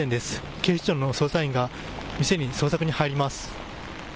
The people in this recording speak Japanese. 警視庁の捜査員が店に捜索に入ります。